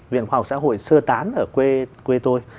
viện khoa học xã hội sơ tán ở quê tôi